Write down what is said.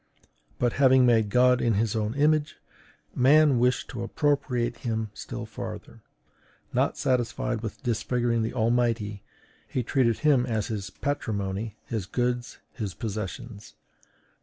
But having made God in his own image, man wished to appropriate him still farther; not satisfied with disfiguring the Almighty, he treated him as his patrimony, his goods, his possessions.